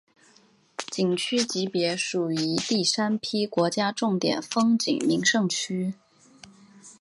景区级别属于第三批国家重点风景名胜区。